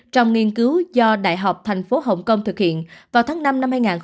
trong nghiên cứu do đại học thành phố hồng kông thực hiện vào tháng năm năm hai nghìn hai mươi ba